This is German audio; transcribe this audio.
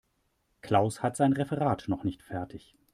Klaus hat sein Referat noch nicht fertig.